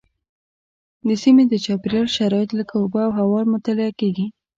د سیمې د چاپیریال شرایط لکه اوبه او هوا مطالعه کېږي.